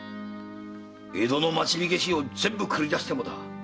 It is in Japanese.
江戸の町火消し全部繰り出してもだ。